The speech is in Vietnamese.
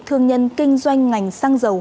thương nhân kinh doanh ngành xăng dầu